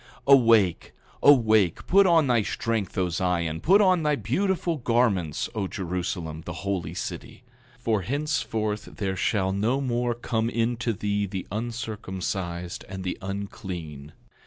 8:24 Awake, awake, put on thy strength, O Zion; put on thy beautiful garments, O Jerusalem, the holy city; for henceforth there shall no more come into thee the uncircumcised and the unclean.